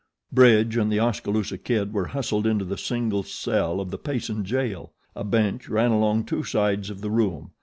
Bridge and The Oskaloosa Kid were hustled into the single cell of the Payson jail. A bench ran along two sides of the room.